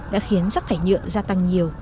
đã khiến rác thải nhựa gia tăng nhiều